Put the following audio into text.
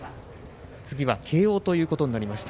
次は慶応ということになりました。